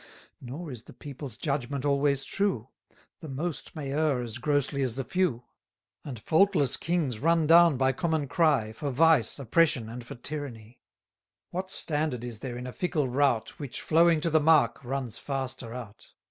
780 Nor is the people's judgment always true: The most may err as grossly as the few? And faultless kings run down by common cry, For vice, oppression, and for tyranny. What standard is there in a fickle rout, Which, flowing to the mark, runs faster out?